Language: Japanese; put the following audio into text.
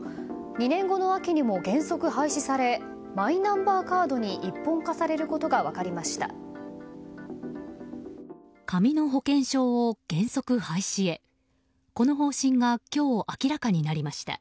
２年後の秋にも原則廃止されマイナンバーカードに一本化されることが分かりました。